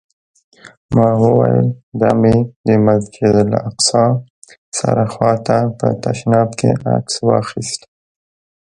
ما وویل: دا مې د مسجداالاقصی سره خوا ته په تشناب کې عکس واخیست.